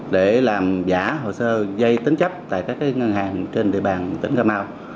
để làm giả hồ sơ gây tính chấp tại các ngân hàng trên địa bàn tỉnh cà mau